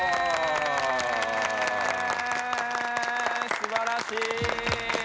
すばらしい！